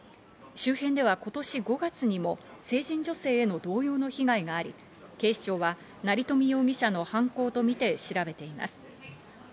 周辺では今年５月にも成人女性の同様の被害があり、警視庁は成富容疑者の犯行とみて調べています。